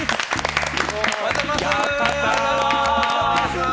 おはようございます。